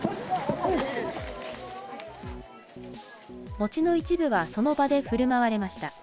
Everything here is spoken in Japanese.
餅の一部はその場でふるまわれました。